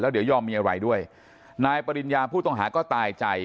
เดี๋ยวยอมมีอะไรด้วยนายปริญญาผู้ต้องหาก็ตายใจ